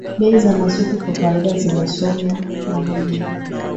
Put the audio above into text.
bei za masoko kwa kawaida zinasomwa na mwenyeji